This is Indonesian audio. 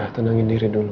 udah tenangin diri dulu